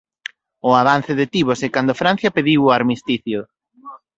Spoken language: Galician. O avance detívose cando Francia pediu o armisticio.